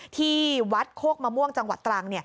ที่วัดโคกมะม่วงจังหวัดตรัง